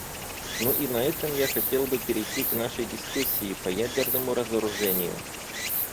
Ну и на этом я хотел бы перейти к нашей дискуссии по ядерному разоружению.